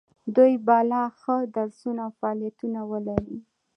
دوی به لا ښه درسونه او فعالیتونه ولري.